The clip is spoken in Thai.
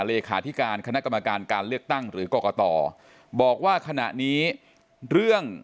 เลขาธิการคณะกรรมการการเลือกตั้งหรือกรกตบอกว่าขณะนี้เรื่อง